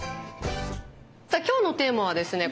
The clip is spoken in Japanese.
さあ今日のテーマはですね